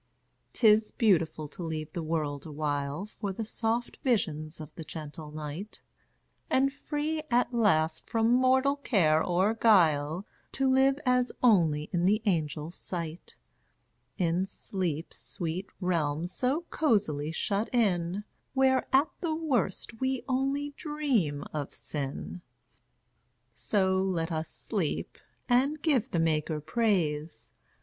'T is beautiful to leave the world awhile For the soft visions of the gentle night; And free, at last, from mortal care or guile, To live as only in the angels' sight, In sleep's sweet realm so cosily shut in, Where, at the worst, we only dream of sin! So let us sleep, and give the Maker praise.